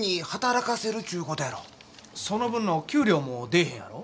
その分の給料も出えへんやろ？